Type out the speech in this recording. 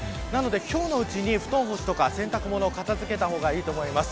今日のうちにお布団干すとか洗濯物を片付けた方がいいと思います。